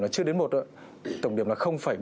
là chưa đến một rồi tổng điểm là